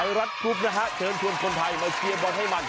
ไอรัฐครูปเชิญคนไทยมาเชียร์บอลให้มัน